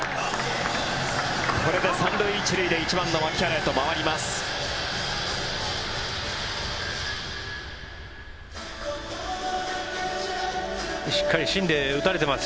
これで３塁１塁で１番の牧原へと回ります。